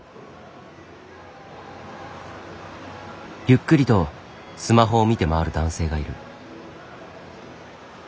ゆっくりとスマホを見て回る男性がいる。